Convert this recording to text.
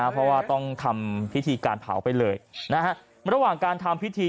เพราะว่าต้องทำพิธีการเผาไปเลยระหว่างการทำพิธี